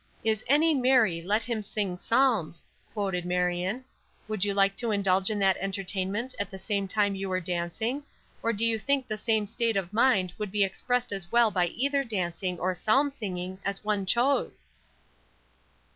"'Is any merry, let him sing psalms,'" quoted Marion. "Would you like to indulge in that entertainment at the same time you were dancing; or do you think the same state of mind could be expressed as well by either dancing, or psalm singing, as one chose?"